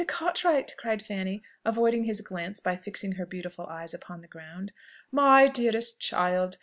Mr. Cartwright!" cried Fanny, avoiding his glance by fixing her beautiful eyes upon the ground. "My dearest child!